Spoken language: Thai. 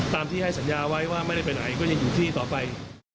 ตามที่ให้สัญญาไว้ว่าไม่ได้ไปไหนก็ยังอยู่ที่ต่อไป